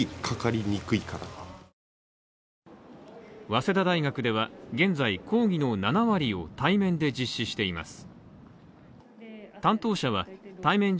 早稲田大学では現在講義の７割を対面で実施しています。